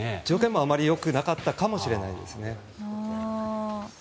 条件もあまり良くなかったかもしれないですね。